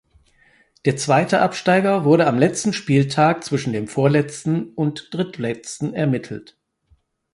Der zweite Absteiger wurde am letzten Spieltag zwischen dem Vorletzten und Drittletzten ermittelt.